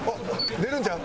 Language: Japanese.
出るんちゃう？